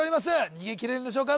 逃げ切れるんでしょうか？